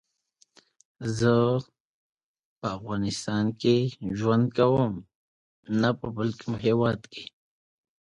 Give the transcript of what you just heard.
She currently lives in Huntington Beach, California.